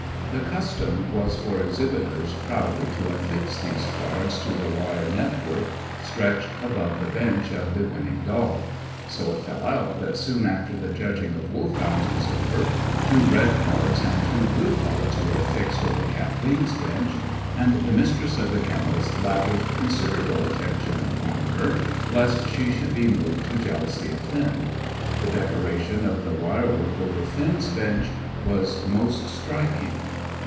The custom was for exhibitors proudly to affix these cards to the wire net work stretched above the bench of the winning dog. So it fell out that soon after the judging of Wolfhounds was over, two red cards and two blue cards were fixed over Kathleen's bench, and the Mistress of the Kennels lavished considerable attention upon her, lest she should be moved to jealousy of Finn. The decoration of the wire work over Finn's bench was most striking.